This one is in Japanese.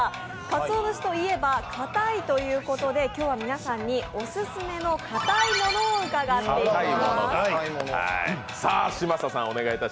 かつお節といえば、かたいということで今日は皆さんにオススメのかたい物を伺っていきます。